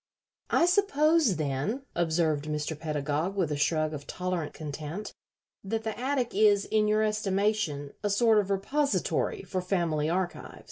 "I suppose, then," observed Mr. Pedagog, with a shrug of tolerant contempt, "that the attic is, in your estimation, a sort of repository for family archives."